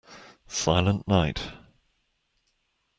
Silent Night.